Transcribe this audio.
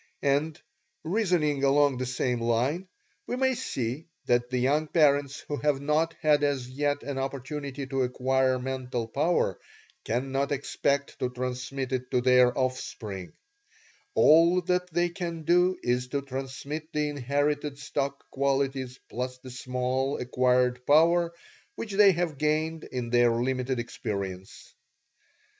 And, reasoning along the same line, we may see that the young parents who have not had as yet an opportunity to acquire mental power cannot expect to transmit it to their offspring all that they can do is to transmit the inherited stock qualities plus the small acquired power which they have gained in their limited experience.